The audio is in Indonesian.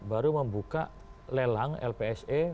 baru membuka lelang lpse